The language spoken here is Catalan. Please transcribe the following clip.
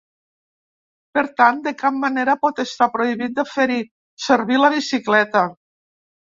Per tant, de cap manera pot estar prohibit de fer-hi servir la bicicleta.